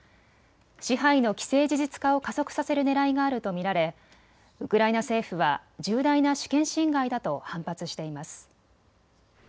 支配の既成事実化を加速させるねらいがあると見られウクライナ政府は重大な主権侵害だと反発しています。